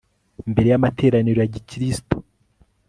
mbere y'amateraniro ya gikiristo